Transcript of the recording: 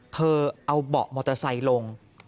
เธอเอาเบาะมอเตอร์ไซค์ลง